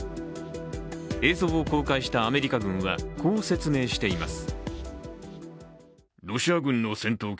映像を公開したアメリカ軍はこう説明しています。